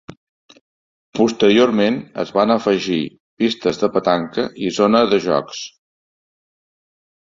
Posteriorment es van afegir pistes de petanca i zona de jocs.